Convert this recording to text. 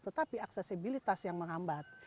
tetapi aksesibilitas yang mengambat